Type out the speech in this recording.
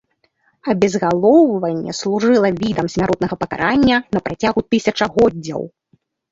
Абезгалоўліванне служыла відам смяротнага пакарання на працягу тысячагоддзяў.